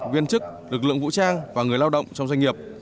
viên chức lực lượng vũ trang và người lao động trong doanh nghiệp